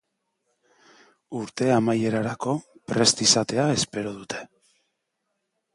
Urte amaierarako prest izatea espero dute.